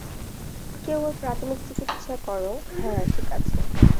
কেউ ওর প্রাথমিক চিকিৎসা করো - হ্যাঁ ঠিক আছে।